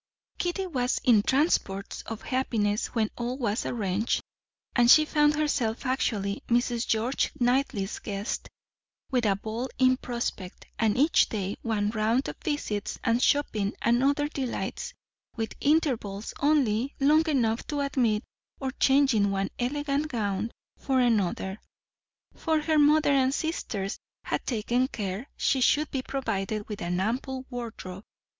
Kitty was in transports of happiness when all was arranged and she found herself actually Mrs. George Knightley's guest, with a ball in prospect, and each day one round of visits and shopping and other delights, with intervals only long enough to admit of changing one elegant gown for another, for her mother and sisters had taken care she should be provided with an ample wardrobe.